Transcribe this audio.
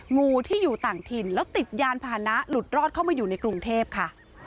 งูที่อยู่ต่างถิ่นแล้วติดยานพานะหลุดรอดเข้ามาอยู่ในกรุงเทพค่ะ